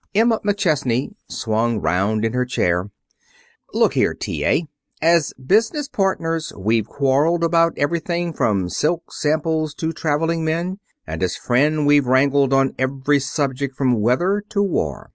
Emma McChesney swung around in her chair. "Look here, T.A. As business partners we've quarreled about everything from silk samples to traveling men, and as friends we've wrangled on every subject from weather to war.